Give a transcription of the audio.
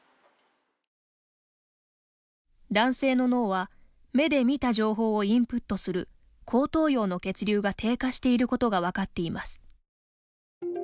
男性の脳は目で見た情報をインプットする後頭葉の血流が低下していることが分かっています。